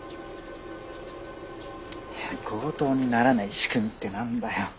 いや強盗にならない仕組みってなんだよ。